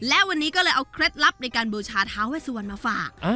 และวันนี้ก็เลยเอาเคล็ดลับในการบูชาท้าเวสวรรณมาฝาก